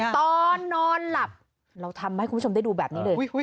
ตอนนอนหลับเราทำให้คุณผู้ชมได้ดูแบบนี้เลย